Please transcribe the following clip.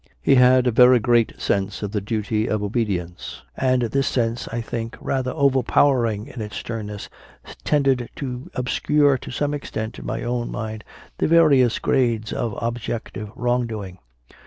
He had a very great i 4 CONFESSIONS OF A CONVERT sense of the duty of obedience, and this sense, I think, rather overpowering in its sternness, tended to obscure to some extent in my own mind the various grades of objective wrongdoing.